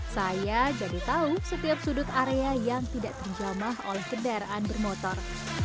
saya jadi tahu setiap sudut area yang tidak terjamah oleh kendaraan bermotor